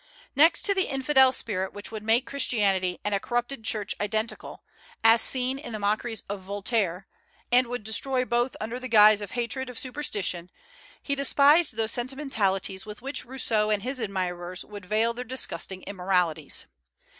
Next to the infidel spirit which would make Christianity and a corrupted church identical, as seen in the mockeries of Voltaire, and would destroy both under the guise of hatred of superstition, he despised those sentimentalities with which Rousseau and his admirers would veil their disgusting immoralities.